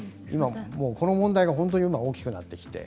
この問題は本当に大きくなっています。